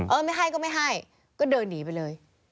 เออไม่ให้ก็ไม่ให้ก็เดินหนีไปเลย